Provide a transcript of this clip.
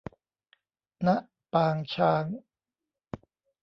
ณ ปางช้าง